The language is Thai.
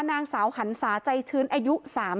นางสาวหันศาใจชื้นอายุ๓๐